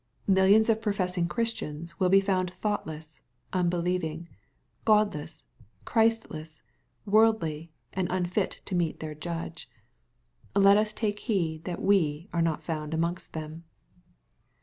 Millions of professing Christians will be found thoughtless, unbelieving, Godless, Christless, worldly, and unfit to meet their Judge. Let us take heed that we are not found amongst them.